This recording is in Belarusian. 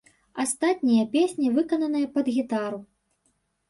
Астатнія песні выкананыя пад гітару.